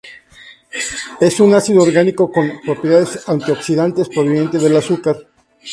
Es un ácido orgánico, con propiedades antioxidantes, proveniente del azúcar.